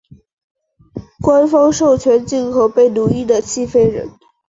官方授权进口被奴役的西非人。